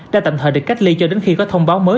đã tạm thời được cách ly cho đến khi có thông báo mới